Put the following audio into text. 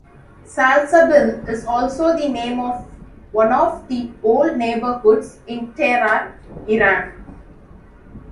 Salsabil is also the name of one of the old neighborhoods in Tehran, Iran.